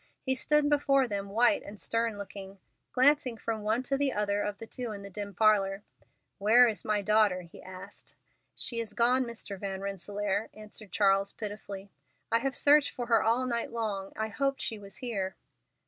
He stood before them white and stern looking, glancing from one to the other of the two in the dim parlor. "Where is my daughter?" he asked. "She is gone, Mr. Van Rensselaer," answered Charles pitifully. "I have searched for her all night long. I hoped she was here."